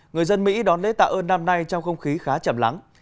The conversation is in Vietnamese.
người dân mỹ đón lễ tạ ơn năm nay trong không khí khá chậm lắng